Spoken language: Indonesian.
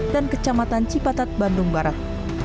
dan kecamatan cipatat bandung barat